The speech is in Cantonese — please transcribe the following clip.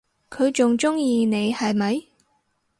佢仲鍾意你係咪？